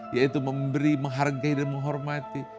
yaitu memberi menghargai dan menghormati